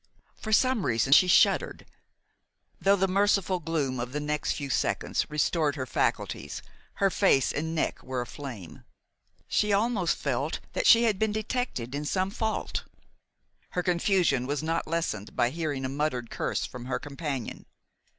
For some reason, she shuddered. Though the merciful gloom of the next few seconds restored her faculties, her face and neck were aflame. She almost felt that she had been detected in some fault. Her confusion was not lessened by hearing a muttered curse from her companion.